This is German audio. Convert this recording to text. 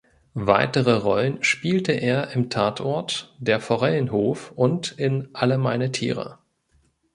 Weitere Rollen spielte er im "Tatort", "Der Forellenhof" und in "Alle meine Tiere".